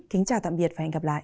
kính chào tạm biệt và hẹn gặp lại